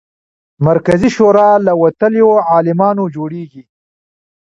مرکزي شورا له وتلیو عالمانو جوړېږي.